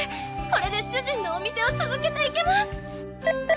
これで主人のお店を続けていけます！